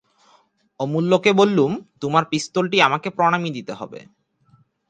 অমূল্যকে বললুম, তোমার পিস্তলটি আমাকে প্রণামী দিতে হবে।